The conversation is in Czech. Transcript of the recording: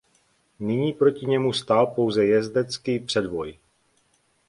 Nyní proti němu stál pouze jezdecký předvoj.